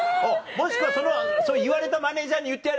もしくはそれ言われたマネジャーに言ってやれば？